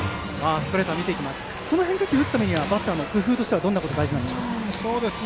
その変化球を打つためにバッターの工夫はどんなところが大事でしょうか。